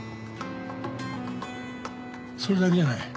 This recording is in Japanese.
それだけじゃない。